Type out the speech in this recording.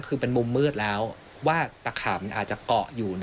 คือเป็นมุมมืดแล้วว่าตะขาบมันอาจจะเกาะอยู่